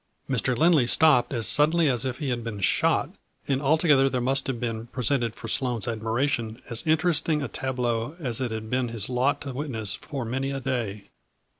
Mr. Lindley stopped as suddenly as if he had been shot, and altogether there must have been presented for Sloane's admiration as interesting a tableau as it had been his lot to witness for many a day.